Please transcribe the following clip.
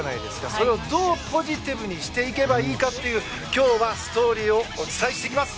それを、どうポジティブにしていけばいいかっていう今日はストーリーをお伝えしていきます。